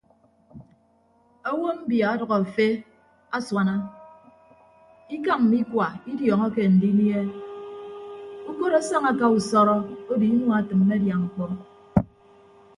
Owo mbia ọdʌk efe asuana ikañ mme ikua idiọọñọke andinie ukot asaña aka usọrọ odo inua atịmme adia ñkpọ.